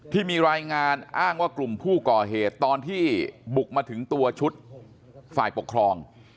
ที่มีรายงานอ้างว่ากลุ่มผู้ก่อเหตุตอนที่บุกมาถึงตัวชุดฝ่ายปกครอง